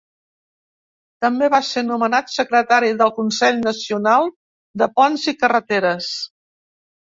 També va ser nomenat secretari del Consell Nacional de Ponts i Carreteres.